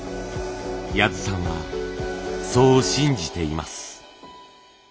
谷津さんはそう信じています。